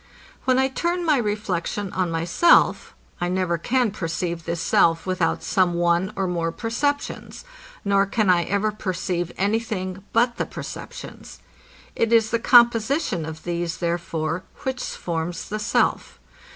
When I turn my reflection on myself, I never can perceive this self without some one or more perceptions; nor can I ever perceive any thing but the perceptions. It is the composition of these, therefore, which forms the self.